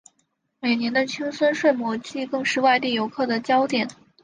每年的青森睡魔祭更是外地游客的焦点。